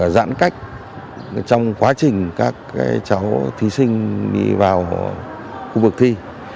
giãn cách trong quá trình các cháu thí sinh đi vào khu vực thi